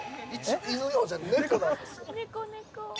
◆犬よじゃ、猫なんですよ。